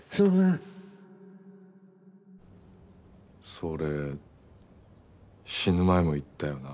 それ死ぬ前も言ったよな？